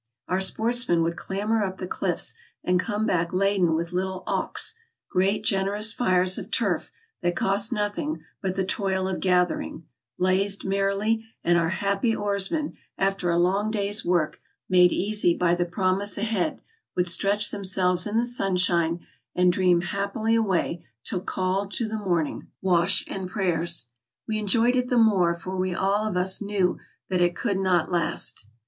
Our sportsman would clamber up the cliffs and come back laden with little auks ; great generous fires of turf, that cost nothing but the toil of gathering, blazed mer rily; and our happy oarsmen, after a long day's work, made easy by the promise ahead, would stretch themselves in the sunshine and dream happily away till called to the morning VOL. VI. 12 163 164 TRAVELERS AND EXPLORERS wash and prayers. We enjoyed it the more, for we all of us knew that it could not last.